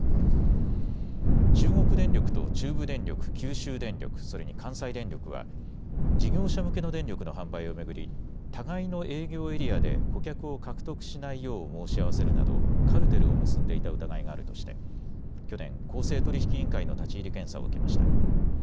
中国電力と中部電力、九州電力、それに関西電力は事業者向けの電力の販売を巡り互いの営業エリアで顧客を獲得しないよう申し合わせるなどカルテルを結んでいた疑いがあるとして去年、公正取引委員会の立ち入り検査を受けました。